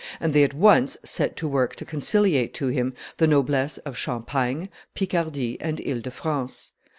and they at once set to work to conciliate to him the noblesse of Champagne, Picardy, and Ile de France.